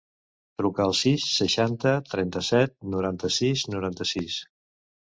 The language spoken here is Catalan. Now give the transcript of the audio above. Truca al sis, seixanta, trenta-set, noranta-sis, noranta-sis.